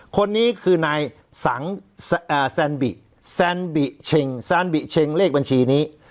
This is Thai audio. คนนี้คือนายสังแซนบิแซนบิเชงแซนบิเชงเลขบัญชีนี้